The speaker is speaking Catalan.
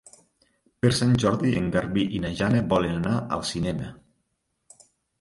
Per Sant Jordi en Garbí i na Jana volen anar al cinema.